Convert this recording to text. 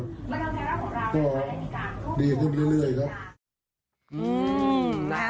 ก็ดีขึ้นเรื่อยครับ